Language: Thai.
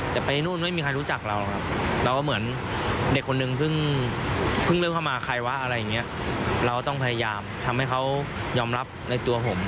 แต่ไปนู่นไม่มีใครรู้จักเราครับเราก็เหมือนเด็กคนนึงเพิ่งเริ่มเข้ามาใครวะอะไรอย่างนี้เราต้องพยายามทำให้เขายอมรับในตัวผม